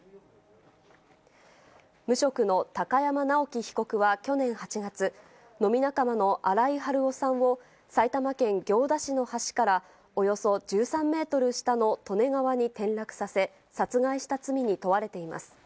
無職の高山尚紀被告は去年８月、飲み仲間の新井治雄さんを埼玉県行田市の橋から、およそ１３メートル下の利根川に転落させ、殺害した罪に問われています。